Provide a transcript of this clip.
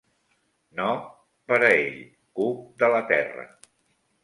No per a ell, cuc de la terra